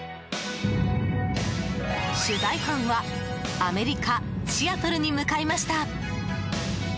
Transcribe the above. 取材班はアメリカ・シアトルに向かいました。